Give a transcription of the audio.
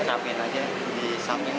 rapiin aja di samping